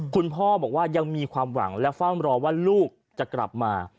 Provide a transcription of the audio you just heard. คุณพ่อบอกว่ายังมีความหวังและเฝ้ารอว่าลูกจะกลับมา